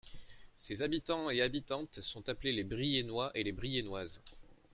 Ses habitants et habitantes sont appelés les Briennois et les Briennoises.